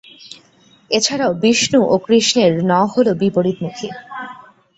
এছাড়াও, বিষ্ণু ও কৃষ্ণের 'ন' হল বিপরীতমুখী।